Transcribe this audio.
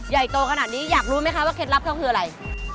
ใหญ่โตขนาดนี้อยากรู้ไหมคะว่าเคล็ดลับเขาคืออะไร